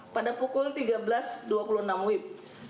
pada pukul tiga belas dua puluh enam wib